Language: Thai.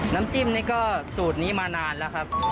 น้ำจิ้มนี่ก็สูตรนี้มานานแล้วครับ